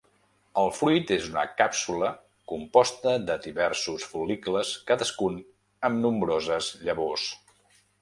El fruit és una càpsula composta de diversos fol·licles cadascun amb nombroses llavors.